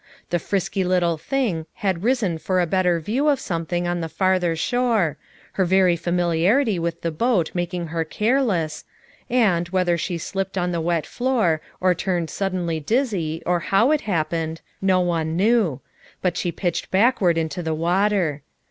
The ' 'frisky little thing" had risen for a better view of something on the farther shore — her very familiarity with the boat making her careless, — and, whether she slipped on the wet floor, or turned suddenly dizzy, or how it happened, no one knew; but she pitched backward into the water.